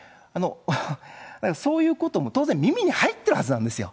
そういうことも当然耳に入ってるはずなんですよ。